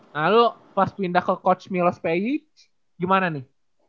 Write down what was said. nah lu pas pindah ke coach milos pejik gimana nih